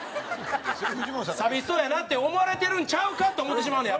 寂しそうやなって思われてるんちゃうか？って思ってしまうねん